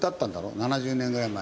７０年ぐらい前に。